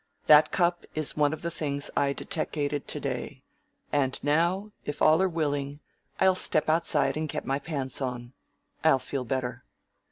That cup is one of the things I deteckated to day. And now, if all are willing, I'll step outside and get my pants on. I'll feel better."